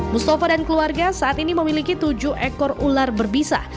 mustafa dan keluarga saat ini memiliki tujuh ekor ular berbisa